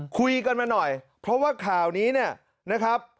คุยกันมาหน่อยเพราะว่าข่าวนี้เนี่ยนะครับ